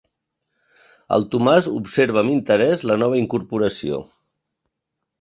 El Tomàs observa amb interès la nova incorporació.